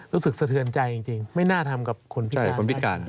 รู้สึกสะเทือนใจจริงไม่น่าทำกับคนพิการ